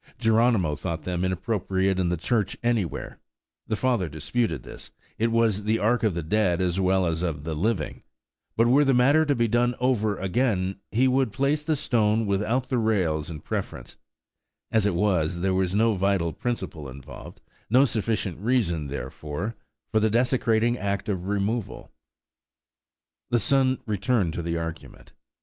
Geronimo thought them inappropriate in the church anywhere–the father disputed this–it was the ark of the dead as well as of the living; but were the matter to be done over again, he would place the stone without the rails in preference; as it was, there was no vital principle involved–no sufficient reason, therefore, for the desecrating act of removal. The son returned to the argument.